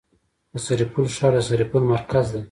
د سرپل ښار د سرپل مرکز دی